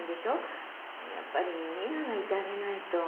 やっぱり美奈がいてあげないと。